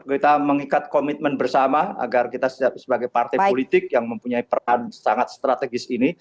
kita mengikat komitmen bersama agar kita sebagai partai politik yang mempunyai peran sangat strategis ini